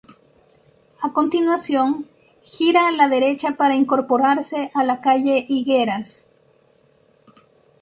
A continuación, gira a la derecha para incorporarse a la calle Higueras.